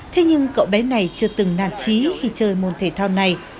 thế nhưng cậu bé này chưa từng nàn trí khi chơi môn thể thao này